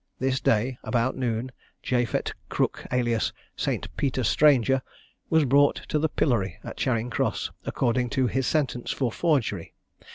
_ This day, about noon, Japhet Crook, alias St. Peter Stranger, was brought to the pillory at Charing Cross, according to his sentence for forgery.